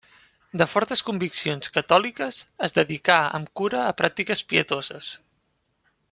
De fortes conviccions catòliques, es dedicà amb cura a pràctiques pietoses.